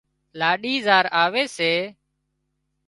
لاڏِي زار آوي سي